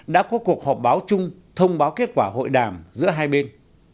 đã có cuộc họp báo chung thông báo kết quả hội đàm giữa hai bên